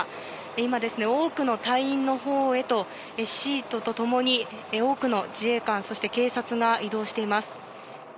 今、多くの隊員のほうへとシートとともに多くの自衛官そして警察が移動しています。